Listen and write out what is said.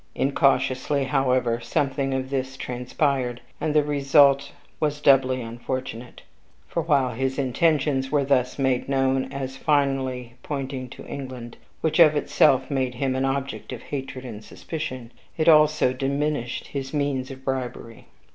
Incautiously, however, something of this transpired, and the result was doubly unfortunate; for, while his intentions were thus made known as finally pointing to England, which of itself made him an object of hatred and suspicion, it also diminished his means of bribery.